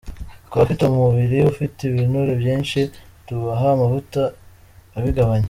Ku bafite umubiri ufite ibinure byinshi, tubaha amavuta abigabanya.